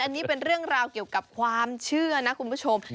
อันนี้เป็นเรื่องราวเกี่ยวกับความเชื่อนะคุณผู้ชม